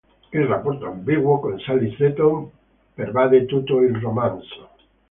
Il rapporto ambiguo con Sally Seton pervade tutto il romanzo.